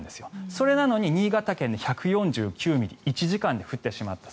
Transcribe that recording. それなのに新潟県で１４９ミリが１時間で降ってしまった。